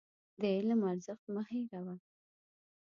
د علم ارزښت مه هېروه.